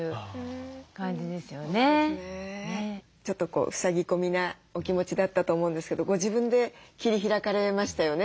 ちょっとふさぎ込みなお気持ちだったと思うんですけどご自分で切り開かれましたよね